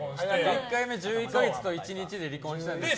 １回目１１か月と１日で離婚したんですけど。